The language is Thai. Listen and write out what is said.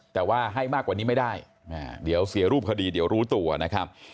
แต่ว่าให้มากกว่านี้ไม่ได้เดี๋ยวเสียรูปคดีเดี๋ยวรู้ตัวนะครับ